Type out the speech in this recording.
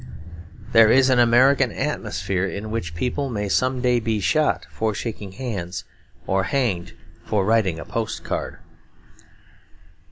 There is an American atmosphere in which people may some day be shot for shaking hands, or hanged for writing a post card.